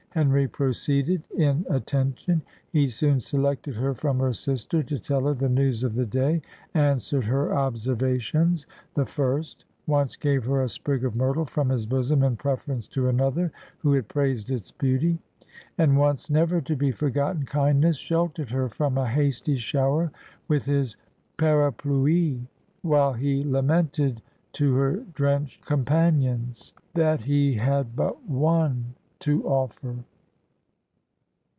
Henry proceeded in attention; he soon selected her from her sister to tell her the news of the day, answered her observations the first; once gave her a sprig of myrtle from his bosom in preference to another who had praised its beauty; and once never to be forgotten kindness sheltered her from a hasty shower with his parapluie, while he lamented to her drenched companions, "That he had but one to offer."